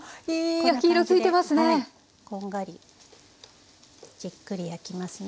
こんな感じでこんがりじっくり焼きますね。